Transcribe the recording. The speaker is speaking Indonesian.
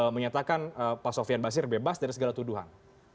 menyatakan pak sofian basir bebas dari segala tuduhan